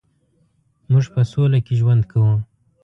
مونږ په سوله کې ژوند کوو